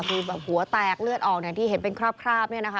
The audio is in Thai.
คือแบบหัวแตกเลือดออกอย่างที่เห็นเป็นคราบเนี่ยนะคะ